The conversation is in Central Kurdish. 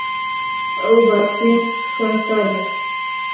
ئەو باشترین خوێندکارمە.